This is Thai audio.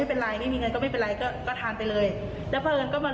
ดีใจมากค่ะยิ่งเห็นแบบคนใหญ่แชร์เยอะแล้วมาขอบคุณแทนแบบ